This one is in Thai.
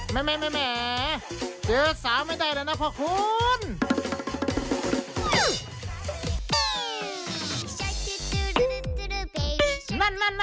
แหมเสื่อสาวไม่ได้หรอกนะผู้คู้น